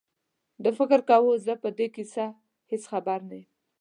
ده فکر کاوه زه په دې کیسه هېڅ خبر نه یم.